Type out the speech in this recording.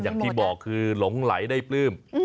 อย่างที่บอกคือหลงไหลได้ปลื้ม